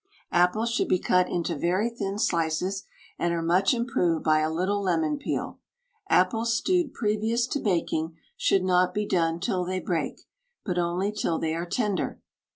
Apples should be cut into very thin slices, and are much improved by a little lemon peel. Apples stewed previous to baking, should not be done till they break, but only till they are tender.